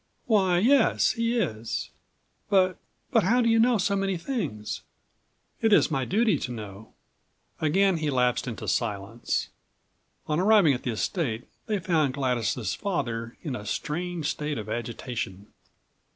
"Why, yes, he is; but—but how do you know so many things?" "It is my duty to know."108 Again he lapsed into silence. On arriving at the estate they found Gladys' father in a strange state of agitation.